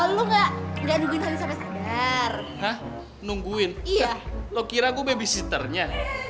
lo enggak enggak dungu sampai sadar nungguin iya lo kira gue babysitternya